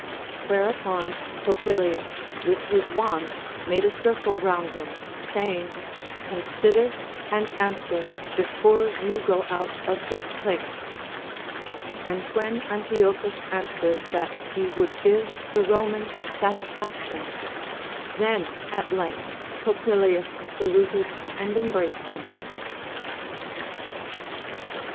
Whereupon Popilius with his wand made a circle round him, saying, Con sider and answer before you go out of this place ; and when Antiochus ansAvered that he would give the liomans satis faction, then at length Popilius saluted and embraced him.